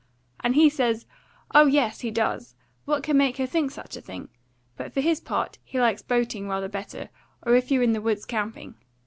And he says, oh, yes, he does; what could make her think such a thing? but for his part he likes boating rather better, or if you're in the woods camping.